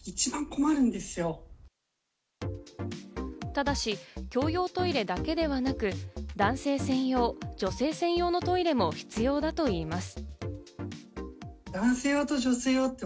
ただし、共用トイレだけではなく、男性専用、女性専用のトイレも必要だといいます。